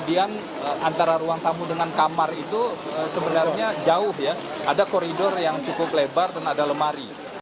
dengan kamar itu sebenarnya jauh ya ada koridor yang cukup lebar dan ada lemari